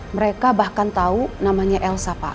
mereka bahkan tahu namanya elsa pak